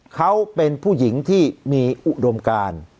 เขาเป็นผู้หญิงที่มีอุดมการ